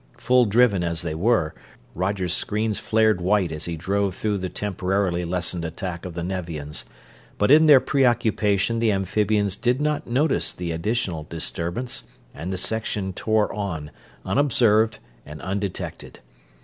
Full driven as they were, Roger's screens flared white as he drove through the temporarily lessened attack of the Nevians; but in their preoccupation the amphibians did not notice the additional disturbance and the section tore on, unobserved and undetected.